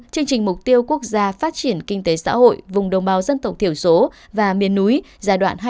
chương trình mục tiêu quốc gia phát triển kinh tế xã hội vùng đồng bào dân tộc thiểu số và miền núi giai đoạn hai nghìn hai mươi một hai nghìn ba mươi